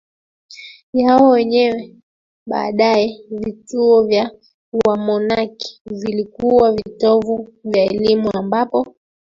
yao wenyewe Baadaye vituo vya wamonaki vilikuwa vitovu vya elimu ambapo